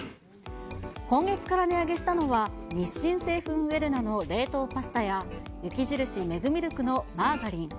今月から値上げしたのは、日清製粉ウェルナの冷凍パスタや、雪印メグミルクのマーガリン。